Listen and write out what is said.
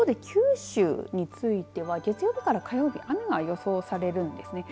一方で九州については月曜日から火曜日に雨が予想されるんですね。